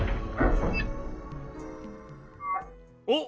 おっ！